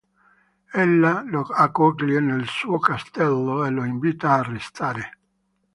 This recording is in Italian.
Ella lo accoglie nel suo castello e lo invita a restare.